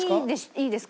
いいですか？